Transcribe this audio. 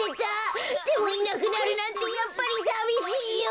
でもいなくなるなんてやっぱりさびしいよ！